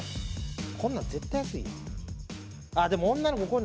こんなん絶対安いやん。